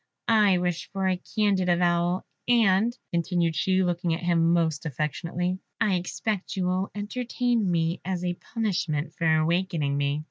I wish for a candid avowal, and," continued she, looking at him most affectionately, "I expect you will entertain me as a punishment for awaking me."